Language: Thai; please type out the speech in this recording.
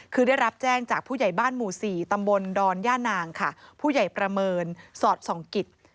คือได้รับแจ้งจากผู้ใหญ่บ้านหมู่๔ตำบลดอนย่านางค่ะผู้ใหญ่ประเมินสอดส่องกิจ